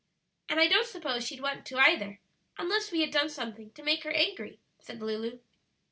"And I don't suppose she'd want to either, unless we had done something to make her angry," said Lulu.